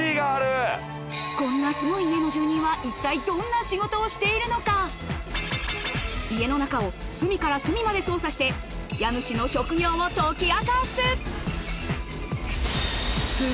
こんなすごい家の住人は一体どんな仕事をしているのか家の中を隅から隅まで捜査して家主の職業を解き明かす